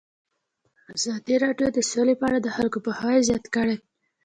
ازادي راډیو د سوله په اړه د خلکو پوهاوی زیات کړی.